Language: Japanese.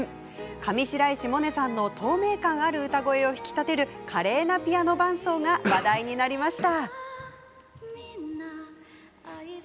上白石萌音さんの透明感ある歌声を引き立てる華麗なピアノ伴奏が話題になりました。